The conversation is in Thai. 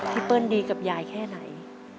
เปิ้ลดีกับยายแค่ไหน